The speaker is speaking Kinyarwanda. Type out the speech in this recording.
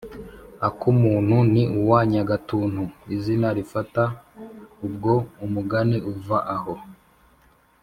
«akumuntu ni uwa nyagatuntu! izina lifata bwo; umugani uva aho.